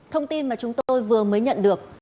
thông tin mà chúng tôi vừa mới nhận được